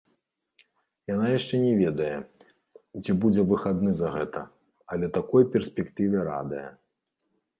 Яна яшчэ не ведае, ці будзе выхадны за гэта, але такой перспектыве радая.